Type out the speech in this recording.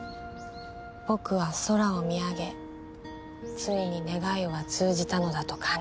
「ぼくは空を見上げついに願いは通じたのだと感じる」